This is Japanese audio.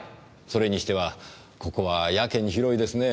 それにしてはここはやけに広いですね。